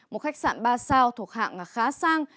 một khách sạn ba sao thuộc hạng khá sang